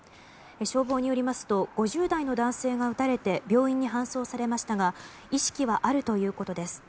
消防によりますと５０代の男性が撃たれて病院に搬送されましたが意識はあるということです。